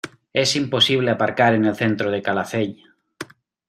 Es imposible aparcar en el centro de Calafell.